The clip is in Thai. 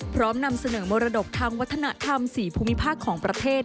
นำเสนอมรดกทางวัฒนธรรม๔ภูมิภาคของประเทศ